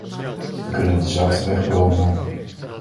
We kunnen dezelfde weg bewandelen.